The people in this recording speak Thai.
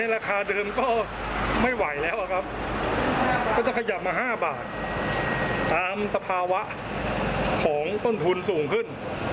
ราคาเดิมก็ไม่ไหวแล้วครับก็จะขยับมา๕บาทตามสภาวะของต้นทุนสูงขึ้น